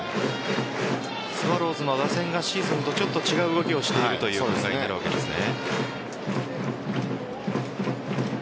スワローズの打線がシーズンとちょっと違う動きをしているというわけですね。